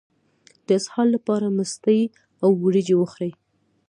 د اسهال لپاره مستې او وریجې وخورئ